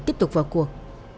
tiếp tục vào cuộc